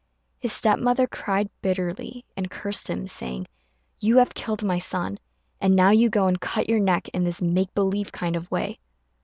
His step mother cried bitterly, and cursed him, saying, "You have killed my son, and now you go and cut your neck in this make believe kind of way."